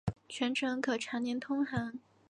全程可常年通航。